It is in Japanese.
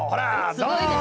すごいね！